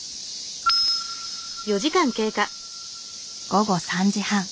午後３時半。